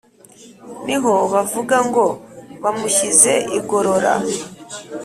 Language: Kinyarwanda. niho bavuga ngo: «bamushyize igorora!»